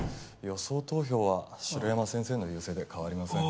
予想投票は城山先生の優勢で変わりません。